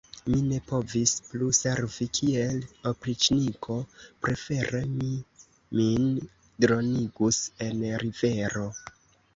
Mi ne povis plu servi kiel opriĉniko: prefere mi min dronigus en rivero.